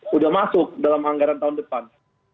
sudah masuk dalam anggaran tahun depan